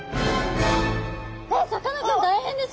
えっさかなクン大変です